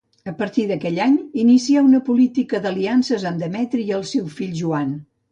A partir d'aquell any, inicià una política d'aliances amb Demetri i el seu fill, Joan.